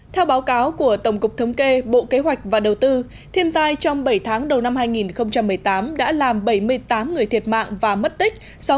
theo báo cáo của tổng cục thống kê bộ kế hoạch và đầu tư thiên tai trong bảy tháng đầu năm hai nghìn một mươi tám đã làm bảy mươi tám người thiệt mạng và mất tích